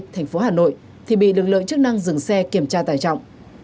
bảy mươi thành phố hà nội thì bị lực lượng chức năng dừng xe kiểm tra tải trọng